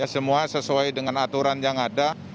semua sesuai dengan aturan yang ada